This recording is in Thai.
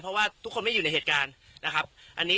เพราะว่าทุกคนไม่อยู่ในเหตุการณ์นะครับ